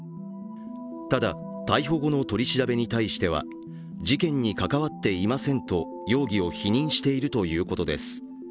ただ逮捕後の取り調べに対しては事件に関わっていませんと容疑を否認しているということです。